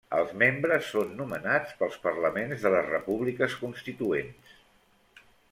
Els membres són nomenats pels parlaments de les repúbliques constituents.